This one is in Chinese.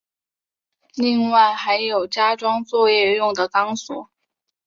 另外还有加装作业用的钢索。